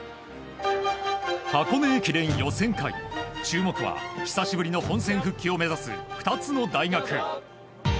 箱根駅伝予選会注目は、久しぶりの本選復帰を目指す２つの大学。